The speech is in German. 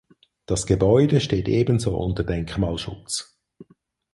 Das Gebäude steht ebenso unter Denkmalschutz.